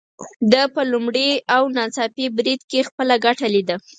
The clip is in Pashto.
ده په لومړي او ناڅاپي بريد کې خپله ګټه ليده.